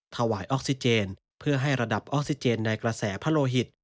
ออกซิเจนเพื่อให้ระดับออกซิเจนในกระแสพะโลหิต